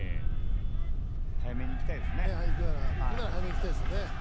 早めにいきたいですね。